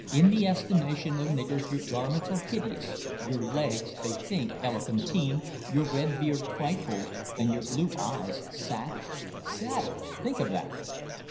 "In the estimation of niggers your garments are hideous; your legs they think elephantine, your red beard frightful, and your blue eyes savage savage! think of that."